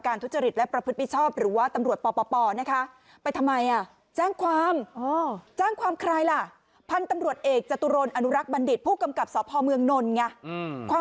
ทุจริตและประพฤติมิชชอบหรือว่าตำรวจปปนะคะ